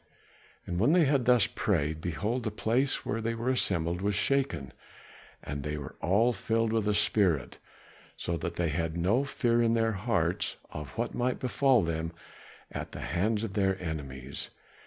And when they had thus prayed, behold the place where they were assembled was shaken and they were all filled with the Spirit, so that they had no fear in their hearts of what might befall them at the hands of their enemies.